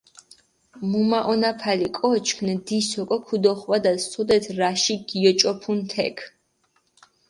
მჷმაჸონაფალი კოჩქ ნდის ოკო ქჷდოხვადას, სოდეთ რაში გიოჭოფუნ თექ.